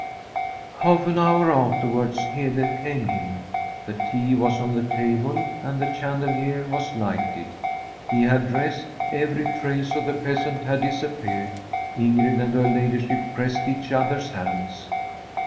Half an hour afterwards Hede came in; the tea was on the table, and the chandelier was lighted. He had dressed; every trace of the peasant had disappeared. Ingrid and her lady ship pressed each other's hands.